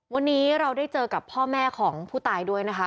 วันนี้เราได้เจอกับพ่อแม่ของผู้ตายด้วยนะคะ